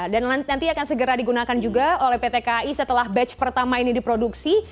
dan nanti akan segera digunakan juga oleh pt kai setelah batch pertama ini diproduksi